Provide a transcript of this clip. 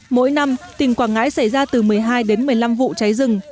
mỗi năm tỉnh quảng ngãi xảy ra từ một mươi hai đến một mươi năm vụ cháy rừng